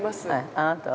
◆あなたは？